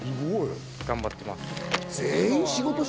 頑張ってます。